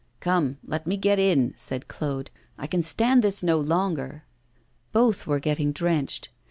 'Come, let me get in,' said Claude; 'I can stand this no longer.' Both were getting drenched.